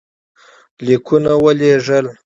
لیکونه ولېږل.